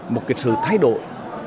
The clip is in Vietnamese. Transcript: một sự thay đổi